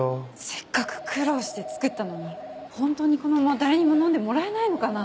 せっかく苦労して作ったのに本当にこのまま誰にも飲んでもらえないのかな。